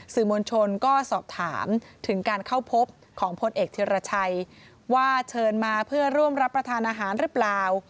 สื่อมวลชนก็สอบถามถึงการเข้าพบของพลเอกธิรชัยว่าเชิญมาเพื่อร่วมรับประทานอาหารหรือเปล่า